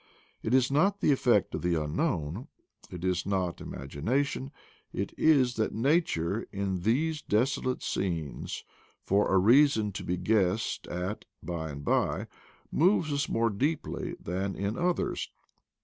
It is not the effect of the unknown, it is not imagination; it is that nature in these desolate scenes, for a reason to be guessed at by and by, moves us more deeply than i n others.